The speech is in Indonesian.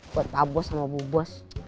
buat pak bos sama bu bos